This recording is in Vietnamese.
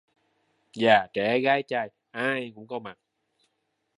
Già trẻ gái trai ai cũng có mặt